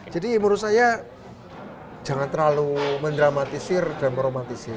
jadi menurut saya jangan terlalu mendramatisir dan meromantisir